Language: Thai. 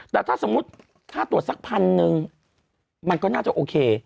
แต่ถ้าสมมุติค่าตรวจสักพันหนึ่งมันก็น่าจะโอเค